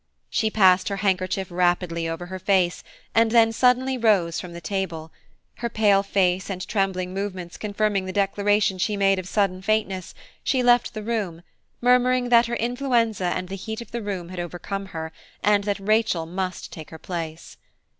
She passed her handkerchief rapidly over her face, and then suddenly rose from the table. Her pale face and trembling movements confirming the declaration she made of sudden faintness, she left the room, murmuring that her influenza and the heat of the room had overcome her, and that Rachel must take her place.